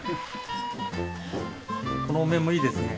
このお面もいいですね。